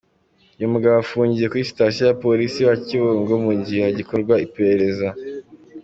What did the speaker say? Uwo mugabo afungiye kuri Sitasiyo ya Polisi ya Kibungo mu gihe hagikorwa iperereza.